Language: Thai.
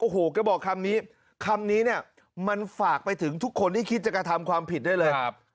โอ้โหแกบอกคำนี้คำนี้เนี่ยมันฝากไปถึงทุกคนที่คิดจะกระทำความผิดได้เลย